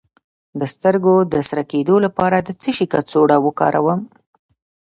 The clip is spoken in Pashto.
د سترګو د سره کیدو لپاره د څه شي کڅوړه وکاروم؟